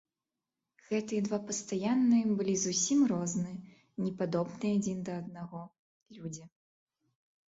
Гэтыя два пастаянныя былі зусім розныя, не падобныя адзін на аднаго, людзі.